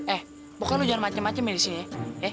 eh pokoknya lo jangan macem macem ya disini ya